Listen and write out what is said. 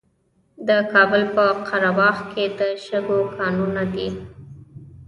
د کابل په قره باغ کې د شګو کانونه دي.